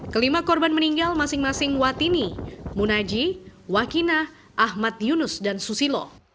kelima korban meninggal masing masing watini munaji wakina ahmad yunus dan susilo